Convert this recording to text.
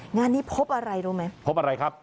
งานนี้พบอะไรรู้ไหมพบอะไรครับ